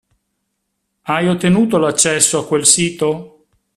Hai ottenuto l'accesso a quel sito?